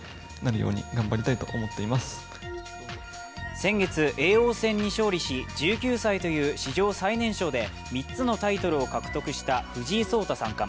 先月、叡王戦に勝利し１９歳という史上最年少で３つのタイトルを獲得した藤井聡太三冠。